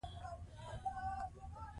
ښځې په اسلامي تاریخ کې ستر رول درلود.